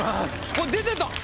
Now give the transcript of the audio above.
これ出てたん？